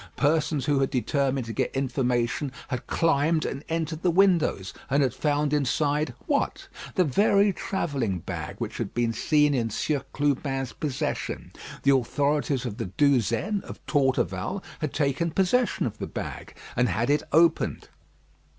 Persons who had determined to get information had climbed and entered the windows, and had found inside what? The very travelling bag which had been seen in Sieur Clubin's possession. The authorities of the Douzaine of Torteval had taken possession of the bag and had it opened.